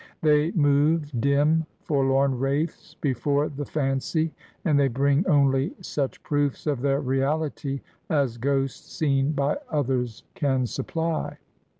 They move dim, forlorn wraiths before the fancy, and they bring only such proofs of their reality as ghosts seen by others can supply.